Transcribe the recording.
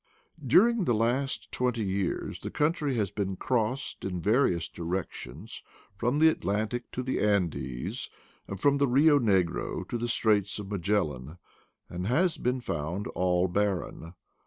During the last twenty years the country has been crossed in various directions, from the Atlantic to the Andes, and from the Bio Negro to the Straits of Magellan, and has been found all barren.